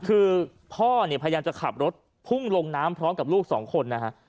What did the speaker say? คือพ่อเนี่ยพยายามจะขับรถพุ่งลงน้ำพร้อมกับลูกสองคนนะฮะ